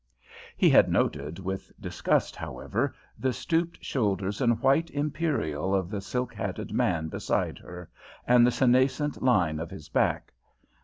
He had noted with disgust, however, the stooped shoulders and white imperial of the silk hatted man beside her, and the senescent line of his back.